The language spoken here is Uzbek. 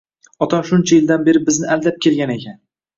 Otam shuncha yildan beri bizni aldab kelgan ekan